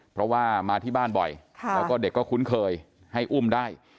เพราะว่ามาที่บ้านบ่อยแล้วก็เด็กก็คุ้นเคยให้อุ้มได้